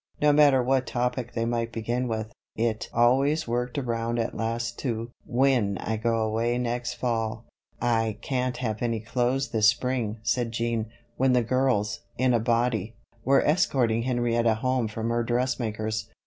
No matter what topic they might begin with, it always worked around at last to "when I go away next fall." "I can't have any clothes this spring," said Jean, when the girls, in a body, were escorting Henrietta home from her dressmaker's.